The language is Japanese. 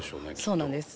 そうなんです。